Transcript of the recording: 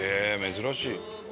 珍しい。